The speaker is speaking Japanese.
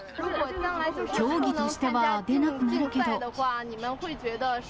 競技としては出なくなるけど？